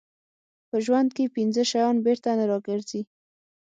په ژوند کې پنځه شیان بېرته نه راګرځي.